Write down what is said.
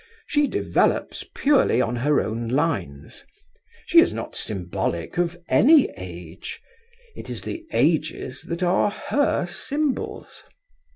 She develops purely on her own lines. She is not symbolic of any age. It is the ages that are her symbols.